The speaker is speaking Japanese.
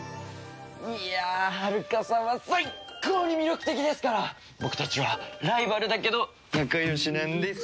いやあはるかさんは最高に魅力的ですから僕たちはライバルだけど仲良しなんです。